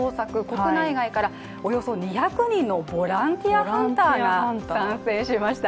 国内外からおよそ２００人のボランティアハンターが参戦しました。